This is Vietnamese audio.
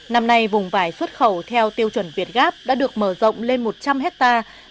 năm nay vùng vải xuất khẩu theo tiêu chuẩn việt gáp đã được mở rộng lên một trăm linh hectare